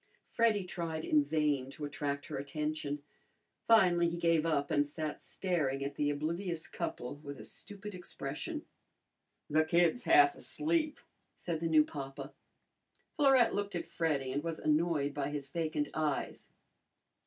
Freddy tried in vain to attract her attention. Finally he gave up and sat staring at the oblivious couple with a stupid expression. "That kid's half asleep," said the new papa. Florette looked at Freddy and was annoyed by his vacant eyes.